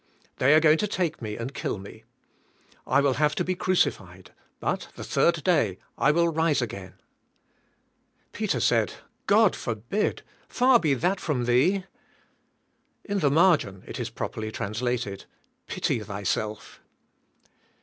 They are going to take me and kill me. I will have to be crucified but the third day I will rise again." Peter said, "God forbid. Far be that from Thee." In the marg in it is properly translated '' Pity thy self."